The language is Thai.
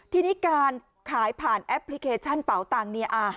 ทีนี้การขายผ่านแอปพลิเคชันเป่าตังค์เนี่ย